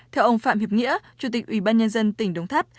theo ông phạm hiệp nghĩa chủ tịch ủy ban nhân dân tỉnh đồng tháp